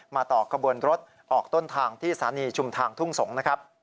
มาต่อกระบวนรถออกต้นทางที่สถานีชุมทางทุ่งสงค์